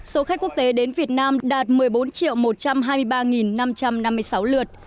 số khách quốc tế đến việt nam đạt một mươi bốn một trăm hai mươi ba năm trăm năm mươi sáu lượt